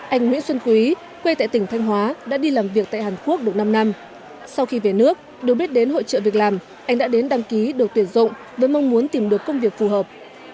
anh nguyễn xuân quý quê tại tỉnh thanh hóa đã đi làm việc tại hàn quốc được năm năm sau khi về nước được biết đến hội trợ việc làm anh đã đến đăng ký được tuyển dụng với mong muốn tìm được công việc phù hợp